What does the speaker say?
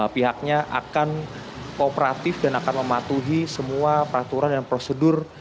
pihaknya akan kooperatif dan akan mematuhi semua peraturan dan prosedur